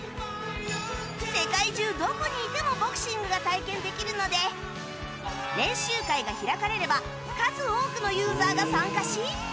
世界中どこにいてもボクシングが体験できるので練習会が開かれれば数多くのユーザーが参加し